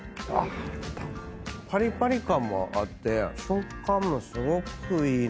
パリパリ感もあって食感もすごくいいなこれ。